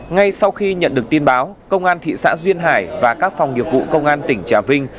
ngay sau khi nhận được tin báo công an thị xã duyên hải và các phòng nghiệp vụ công an tỉnh trà vinh